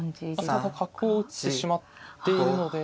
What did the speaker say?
ただ角を打ってしまっているので。